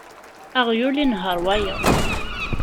Aɣyul inehheṛ wayeḍ.